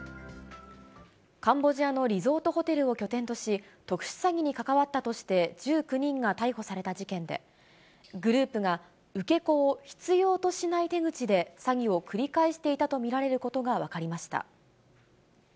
カンボジアのリゾートホテルを拠点とし、特殊詐欺に関わったとして１９人が逮捕された事件で、グループが受け子を必要としない手口で、詐欺を繰り返していたと見られることが分かりました。